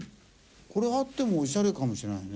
これあってもオシャレかもしれないね。